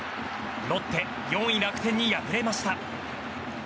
ロッテ４位、楽天に敗れました。